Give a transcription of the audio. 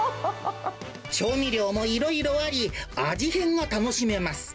調味料もいろいろあり、味変が楽しめます。